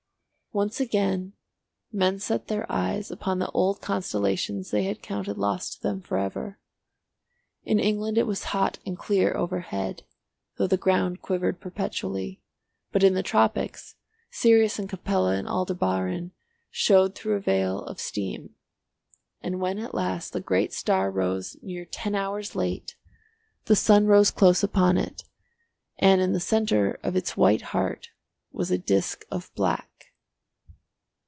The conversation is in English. Once again men set their eyes upon the old constellations they had counted lost to them forever. In England it was hot and clear overhead, though the ground quivered perpetually, but in the tropics, Sirius and Capella and Aldebaran showed through a veil of steam. And when at last the great star rose near ten hours late, the sun rose close upon it, and in the centre of its white heart was a disc of black.